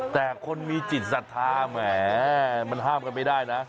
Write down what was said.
แต่คนมีจิตศรัทธาแหมมันห้ามกันไม่ได้นะ